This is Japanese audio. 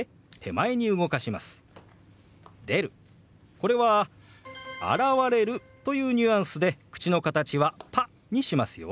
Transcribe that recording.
これは「現れる」というニュアンスで口の形は「パ」にしますよ。